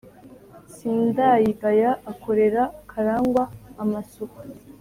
Sindayigaya akorera karangwa amasuku